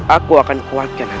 aku akan kuatkan hati